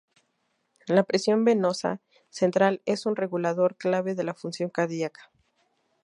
La presión venosa central es un regulador clave de la función cardíaca.